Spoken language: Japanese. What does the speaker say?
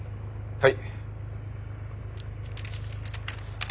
はい。